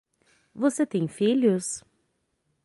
Você tem filhos?